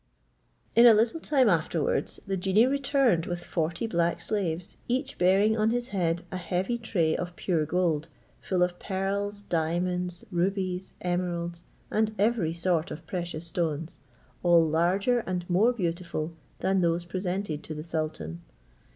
In a little time afterwards the genie returned with forty black slaves, each bearing on his head a heavy tray of pure gold, full of pearls, diamonds, rubies, emeralds, and every sort of precious stones, all larger and more beautiful than those presented to the sultan.